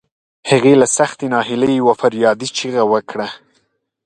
هغې له سختې ناهيلۍ يوه فریادي چیغه وکړه.